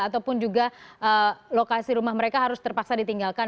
ataupun juga lokasi rumah mereka harus terpaksa ditinggalkan